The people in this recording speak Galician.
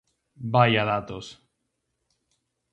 Vaia datos...